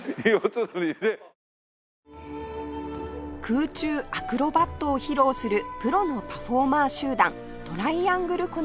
空中アクロバットを披露するプロのパフォーマー集団トライアングルコネクション